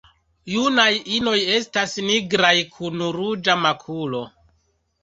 Junaj inoj estas nigraj kun ruĝa makulo.